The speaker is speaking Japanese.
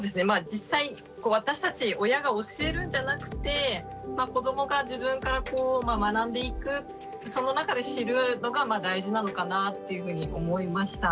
実際私たち親が教えるんじゃなくて子どもが自分から学んでいくその中で知るのが大事なのかなっていうふうに思いました。